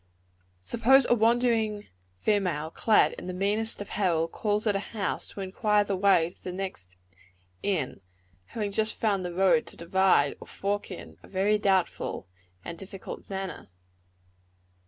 Suppose a wandering female, clad in the meanest apparel, calls at a house, to inquire the way to the next inn, having just found the road to divide or fork in, a very doubtful and difficult manner.